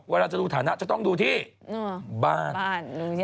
เวลาจะดูฐานะจะต้องดูที่บ้านบ้านอย่างโดยมาก